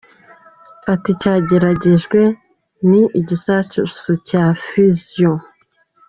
Ati “ Icyageragejwe ni igisasu cya Fission’.